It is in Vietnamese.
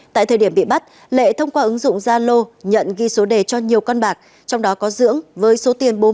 tại thời điểm bị bắt lệ thông qua ứng dụng zalo nhận ghi số đề cho nhiều con bạc trong đó có dưỡng với số tiền bốn mươi bốn triệu đồng